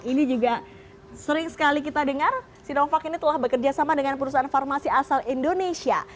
ini juga sering sekali kita dengar sinovac ini telah bekerja sama dengan perusahaan farmasi asal indonesia